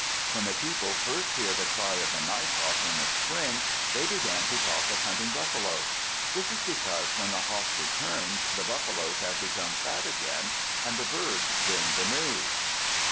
When the people first hear the cry of the nighthawk in the spring, they begin to talk of hunting buffalo. This is because when the hawk returns, the buffaloes have become fat again and the birds bring the news.